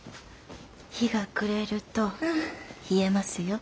日が暮れると冷えますよ。